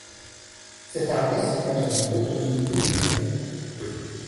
Cette armée s'engage avec d'autres unités militaires.